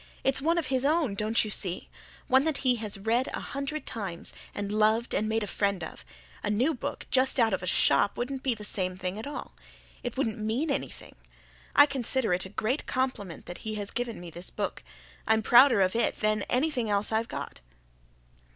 It's one of his own, don't you see one that he has read a hundred times and loved and made a friend of. A new book, just out of a shop, wouldn't be the same thing at all. It wouldn't MEAN anything. I consider it a great compliment that he has given me this book. I'm prouder of it than of anything else I've got."